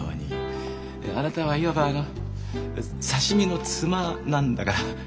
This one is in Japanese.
あなたはいわば刺身のツマなんだから。